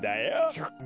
そっか。